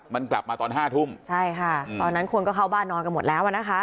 มันกลับมาตอนห้าทุ่มใช่ค่ะตอนนั้นคนก็เข้าบ้านนอนกันหมดแล้วอ่ะนะคะ